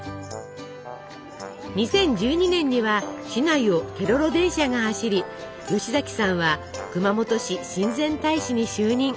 ２０１２年には市内をケロロ電車が走り吉崎さんは熊本市親善大使に就任。